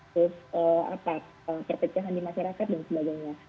terus perpecahan di masyarakat dan sebagainya